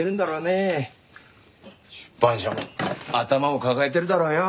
出版社も頭を抱えてるだろうよ。